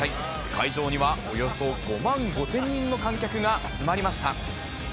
会場にはおよそ５万５０００人の観客が集まりました。